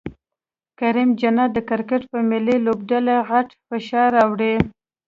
کریم جنت د کرکټ په ملي لوبډلې غټ فشار راوړي